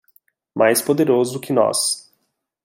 Mais poderoso que nós